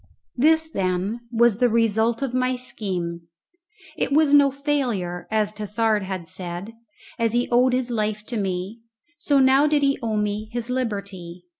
This, then, was the result of my scheme; it was no failure, as Tassard had said; as he owed his life to me, so now did he owe me his liberty.